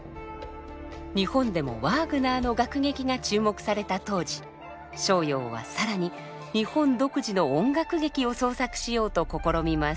日本でもワーグナーの楽劇が注目された当時逍遥は更に日本独自の音楽劇を創作しようと試みます。